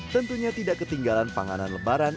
tentunya tidak ketinggalan panganan lebaran